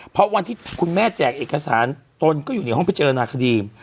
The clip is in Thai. เพราะวันที่คุณแม่แจกเอกสารตนก็อยู่ในห้องพิจารณาคดี